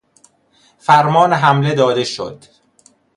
فرمان حمله داده شد